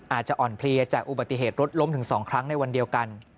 อาจจะอ่อนเพลียจากอุบัติเหตุรถล้มถึง๒ครั้งในวันเดียวกัน